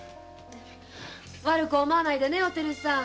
悪く思わないでねおてるさん。